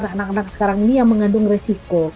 anak anak sekarang ini yang mengandung resiko